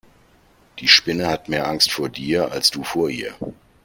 Die Spinne hat mehr Angst vor dir als du vor ihr.